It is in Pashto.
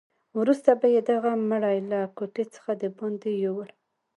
وروسته به یې دغه مړی له کوټې څخه دباندې یووړ.